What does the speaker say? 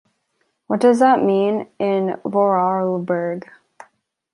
What does that mean in Vorarlberg?